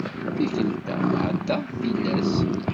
Tikelt-a tεeddaḍ tilas.